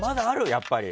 やっぱり。